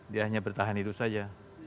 dia hanya bertahan hidup saja